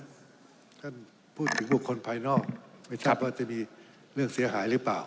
น่าจะพูดถึงคนภายนอกไม่ใช่ว่าจะมีเรื่องเสียหายรึเปล่า